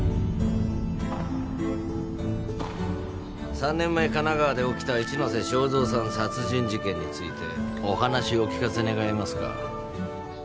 ３年前神奈川で起きた一ノ瀬正造さん殺人事件についてお話お聞かせ願えますか